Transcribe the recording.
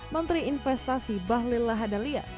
menteri investasi bahlil lahadalia